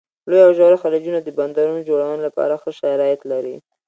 لوی او ژور خلیجونه د بندرونو جوړونې لپاره ښه شرایط لري.